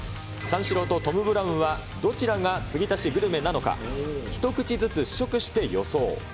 三四郎とトム・ブラウンはどちらが継ぎ足しグルメなのか、一口ずつ試食して予想。